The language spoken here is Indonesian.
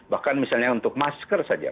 bahkan misalnya untuk masker saja